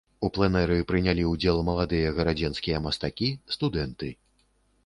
У пленэры прынялі ўдзел маладыя гарадзенскія мастакі, студэнты.